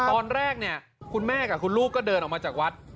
ตอนแรกเนี่ยคุณแม่กับคุณลูกก็เดินออกมาจากวัด